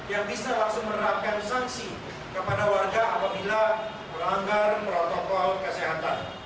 yang bisa langsung menerapkan sanksi kepada warga apabila melanggar protokol kesehatan